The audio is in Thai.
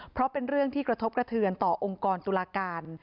เพราะเป็นเรื่องที่กระทบกระเทือนต่อองค์กรตุลาการ